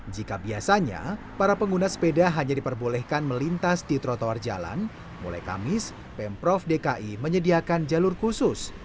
jika biasanya para pengguna sepeda hanya diperbolehkan melintas di trotoar jalan mulai kamis pemprov dki menyediakan jalur khusus